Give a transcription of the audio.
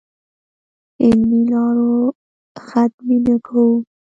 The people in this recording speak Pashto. علمي لارو ختمې نه کړو.